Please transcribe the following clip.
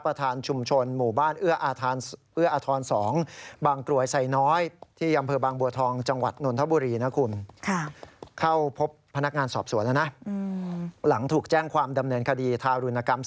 ประธานชุมชนหมู่บ้านเอื้ออาทร๒บางกรวยไสน้อยที่ยำเผอบางบัวทองจังหวัดนนทบุรีนะคุณ